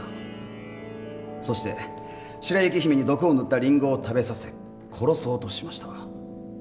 そして白雪姫に毒を塗ったリンゴを食べさせ殺そうとしました。